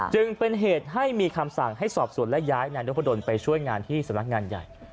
จึงเป็นเหตุให้มีคำสั่งให้สอบสวนและย้ายนายนพดลไปช่วยงานที่สำนักงานใหญ่